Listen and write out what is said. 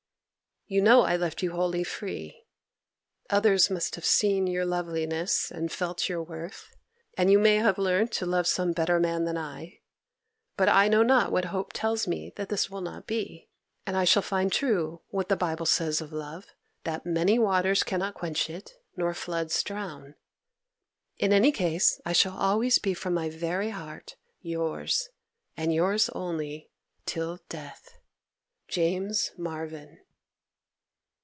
'You know I left you wholly free: others must have seen your loveliness and felt your worth, and you may have learnt to love some better man than I; but I know not what hope tells me that this will not be, and I shall find true what the Bible says of love, that "many waters cannot quench it, nor floods drown." In any case I shall be always from my very heart yours, and yours only, till death. 'JAMES MARVYN.